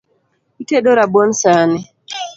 Itedo rabuon sani?